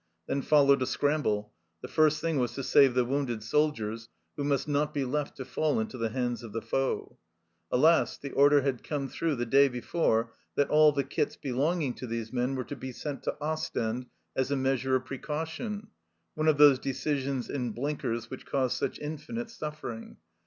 Then followed a scramble. The first thing was to save the wounded soldiers, who must not be left to fall into the hands of the foe. Alas ! the order had come through the day before that all the kits belonging to these men were to be sent to Ostend as a measure of precau tion. One of those " decisions in blinkers " which cause such infinite suffering.